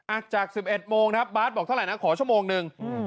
อ่ะจาก๑๑โมงครับบาทบอกเท่าไหร่นะขอชั่วโมงนึง